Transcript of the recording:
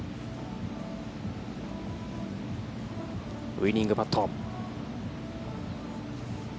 ウイニングパット。